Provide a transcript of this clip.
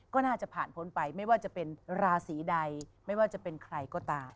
ก็น่าจะผ่านพ้นไปไม่ว่าจะเป็นราศีใดไม่ว่าจะเป็นใครก็ตาม